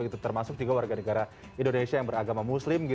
termasuk juga warga negara indonesia yang beragama muslim